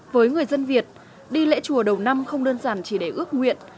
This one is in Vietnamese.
với người dân việt đi lễ chùa đầu năm không đơn giản chỉ để ước nguyện